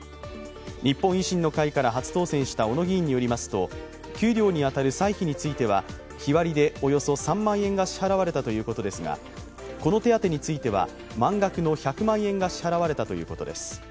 日本維新の会から初当選した小野議員によりますと、給料に当たる歳費については日割りでおよそ３万円が支払われたということですがこの手当てについては満額の１００万円が支払われたということです。